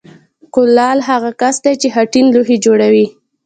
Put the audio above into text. کولال هغه کس دی چې خټین لوښي جوړوي